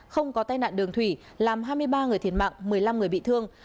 không có tai nạn đường thủy làm hai mươi ba người thiệt mạng một mươi năm người bị thương